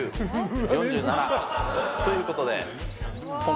４７！ということで。